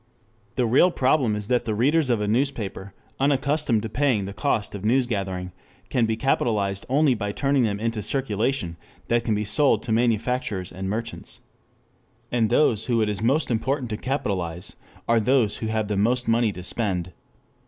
The real problem is that the readers of a newspaper, unaccustomed to paying the cost of newsgathering, can be capitalized only by turning them into circulation that can be sold to manufacturers and merchants. And those whom it is most important to capitalize are those who have the most money to spend.